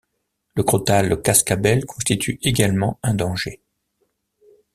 Le crotale cascabelle constitue également un danger.